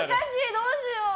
どうしよう。